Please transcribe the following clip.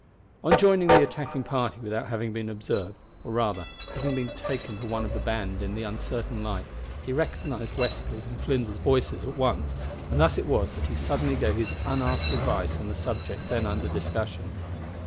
On joining the attacking party without having been observed or, rather, having been taken for one of the band in the uncertain light he recognised Westly's and Flinders's voices at once, and thus it was that he suddenly gave his unasked advice on the subject then under discussion.